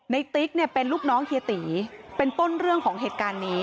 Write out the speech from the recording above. ติ๊กเนี่ยเป็นลูกน้องเฮียตีเป็นต้นเรื่องของเหตุการณ์นี้